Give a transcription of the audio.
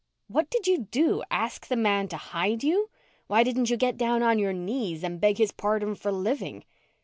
What did you do? Ask the man to hide you? Why didn't you get down on your knees and beg his pardon for living?"